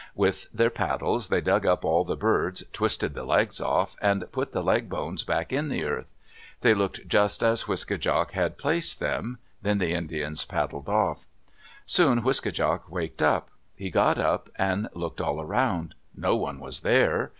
With their paddles they dug up all the birds, twisted the legs off, and put the leg bones back in the earth. They looked just as Wiske djak had placed them. Then the Indians paddled off. Soon Wiske djak waked up. He got up and looked all around. No one was there.